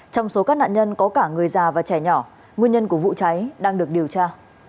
trong số các nạn nhân có cả người già và trẻ nhỏ nguyên nhân của vụ cháy đang được điều tra